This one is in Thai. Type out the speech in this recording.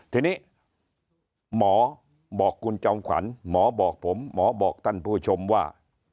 ทีนี้หมอบอกคุณจอมขวัญหมอบอกผมหมอบอกท่านผู้ชมว่า